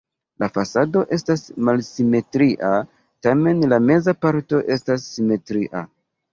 La fasado estas malsimetria, tamen la meza parto estas simetria.